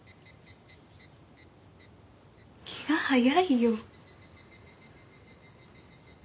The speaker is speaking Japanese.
気が早いよ。